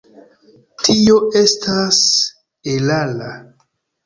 Tio estas erara.